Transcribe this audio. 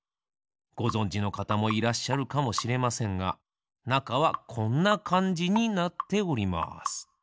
ごぞんじのかたもいらっしゃるかもしれませんがなかはこんなかんじになっております。